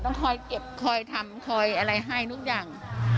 คอยเก็บคอยทำคอยอะไรให้ทุกอย่าง